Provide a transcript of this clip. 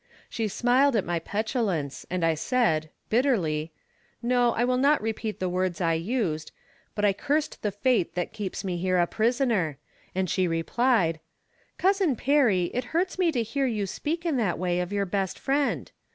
She smiled at my petulance, and I said, bitterly — ^no, I will not repeat the words I used, but I cursed the fate that keeps me here a pris oner, and she replied :" Cousin Perry, it hurts me to hear you speak in that way of your best Friend.